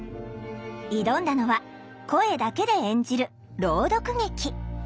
挑んだのは声だけで演じる朗読劇。